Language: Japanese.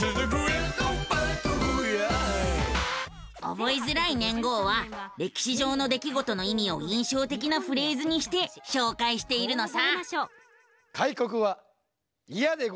覚えづらい年号は歴史上の出来事の意味を印象的なフレーズにして紹介しているのさ。